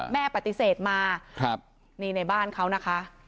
แม่ปฏิเสธมานี่ในบ้านเขานะคะ